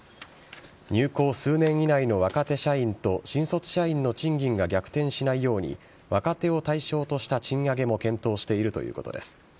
入行数年以内の若手社員と新卒社員の賃金が逆転しないように若手を対象とした賃上げも検討しているということです。